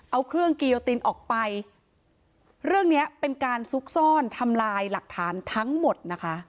เอาเครื่องกิโยตินออกไปเรื่องเนี้ยเป็นการซุกซ่อนทำลายหลักฐานทั้งหมดนะคะ